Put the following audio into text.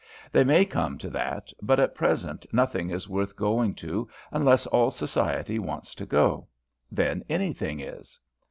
They may come to that, but at present nothing is worth going to unless all society wants to go: then anything is.